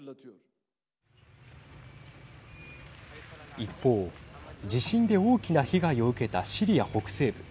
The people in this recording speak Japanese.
一方、地震で大きな被害を受けたシリア北西部。